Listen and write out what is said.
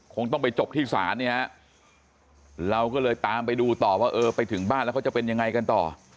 คงต้องไปจบที่ศาลเนี่ยฮะเราก็เลยตามไปดูต่อว่าเออไปถึงบ้านแล้วเขาจะเป็นยังไงกันต่อ